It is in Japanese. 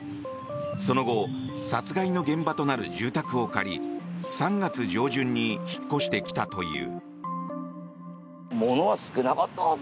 その後殺害の現場となる住宅を借り３月上旬に引っ越してきたという。